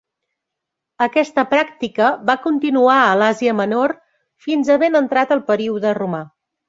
Aquesta pràctica va continuar a l'Àsia Menor fins a ben entrat el període romà.